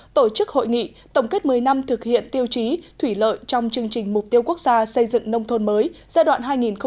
tổ chức hội nghị tổng kết một mươi năm thực hiện tiêu chí thủy lợi trong chương trình mục tiêu quốc gia xây dựng nông thôn mới giai đoạn hai nghìn một mươi sáu hai nghìn hai mươi